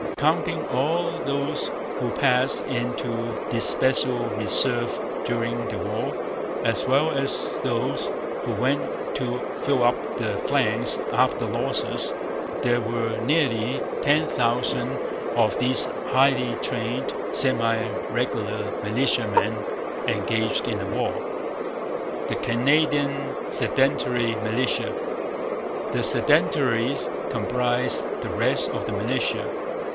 Counting all those who passed into the special reserve during the war, as well as those who went to fill up the ranks after losses, there were nearly ten thousand of these highly trained, semi regular militiamen engaged in the war. The Canadian Sedentary Militia. The 'Sedentaries' comprised the rest of the militia.